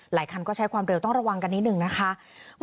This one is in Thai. คันก็ใช้ความเร็วต้องระวังกันนิดหนึ่งนะคะ